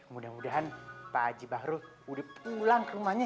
mudah mudahan pak haji bahrul udah pulang ke rumahnya